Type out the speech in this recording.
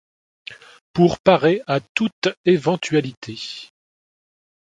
pour parer à toute éventualité.